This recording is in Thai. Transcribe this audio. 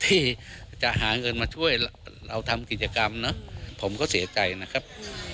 ที่จะหาเงินมาช่วยเราทำกิจกรรมนะผมก็เสียใจนะครับ